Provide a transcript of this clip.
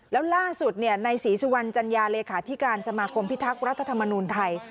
แล้วล่าสุดในศรีสุวรรณจัญญาเลขาธิการสมาคมพิทักษ์รัฐธรรมนูลไทย